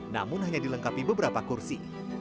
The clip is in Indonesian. namun hanya dilengkapi beberapa kursi